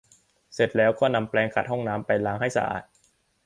เสร็จแล้วก็นำแปรงขัดห้องน้ำไปล้างให้สะอาด